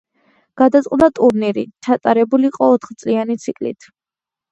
გადაწყდა ტურნირი ჩატარებულიყო ოთხწლიანი ციკლით.